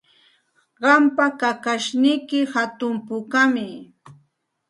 Qampa kakashniyki hatun pukami.